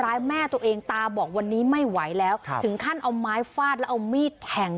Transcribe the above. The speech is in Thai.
แม่ตัวเองตาบอกวันนี้ไม่ไหวแล้วถึงขั้นเอาไม้ฟาดแล้วเอามีดแทง